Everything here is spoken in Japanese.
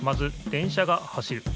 電車が走る。